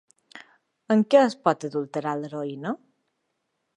Amb què es pot adulterar l'heroïna?